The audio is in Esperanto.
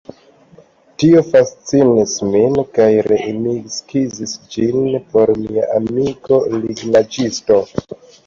Tio fascinis min kaj ree mi skizis ĝin por mia amiko lignaĵisto.